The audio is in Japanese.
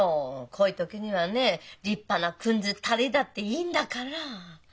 こういう時にはね立派な訓辞垂れたっていいんだから。